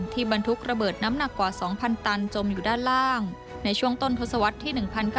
บรรทุกระเบิดน้ำหนักกว่า๒๐๐ตันจมอยู่ด้านล่างในช่วงต้นทศวรรษที่๑๙